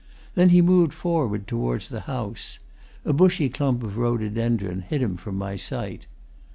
Then he moved forward towards the house; a bushy clump of rhododendron hid him from my sight.